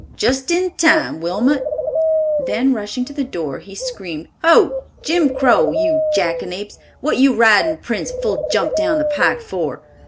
Just in time, Wilmot!" Then rushing to the door he screamed, "Ho! Jim Crow, you jackanapes, what you ridin' Prince full jump down the pike for?